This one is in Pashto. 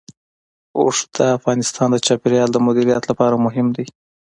اوښ د افغانستان د چاپیریال د مدیریت لپاره مهم دي.